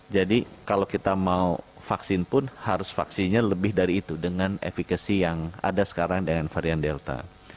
jadi kalau kita mau vaksin pun harus vaksinnya lebih dari itu dengan efekasi yang ada sekarang dengan varian delta